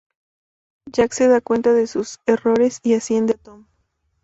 Jack se da cuenta de sus errores y asciende a Tom.